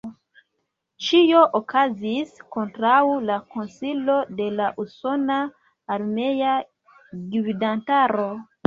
Ĉio okazis kontraŭ la konsilo de la usona armea gvidantaro.